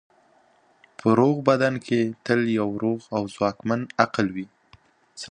په روغ بدن کې تل یو روغ او ځواکمن عقل وي.